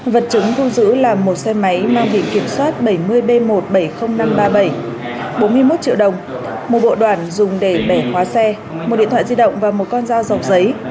vật chứng thu giữ là một xe máy mang bị kiểm soát bảy mươi b một trăm bảy mươi nghìn năm trăm ba mươi bảy bốn mươi một triệu đồng một bộ đoạn dùng để bẻ khóa xe một điện thoại di động và một con dao dầu giấy